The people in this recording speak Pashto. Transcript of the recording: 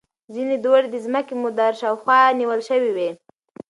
ځینې دوړې د ځمکې مدار شاوخوا نیول شوې وي.